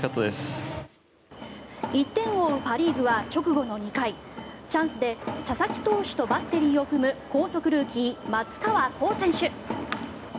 １点を追うパ・リーグは直後の２回チャンスで佐々木投手とバッテリーを組む高卒ルーキー松川虎生選手。